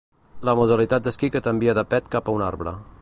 La modalitat d'esquí que t'envia de pet cap a un arbre.